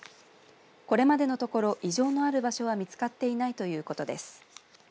これまでのところ異常のある場所は見つかっていないということです。